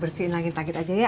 bersihin lakit lakit aja ya